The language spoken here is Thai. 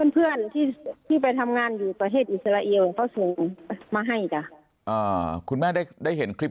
พี่ไปทำงานอยู่ประเทศอิสระเอียวมาให้จะคุณแม่ได้ได้เห็นคลิป